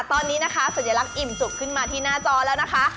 ตอนนี้นะคะสัญลักษณ์อิ่มจุกขึ้นมาที่หน้าจอแล้วนะคะ